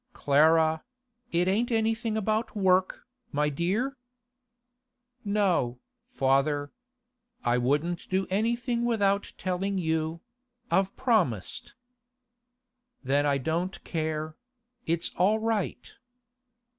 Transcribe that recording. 'Clara—it ain't anything about work, my dear?' 'No, father. I wouldn't do anything without telling you; I've promised.' 'Then I don't care; it's all right.